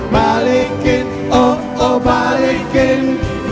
balikin oh oh balikin